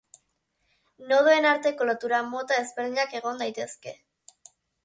Nodoen arteko lotura mota ezberdinak egon daitezke.